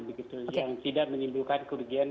yang tidak menimbulkan kerugian